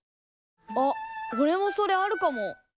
あっおれもそれあるかも。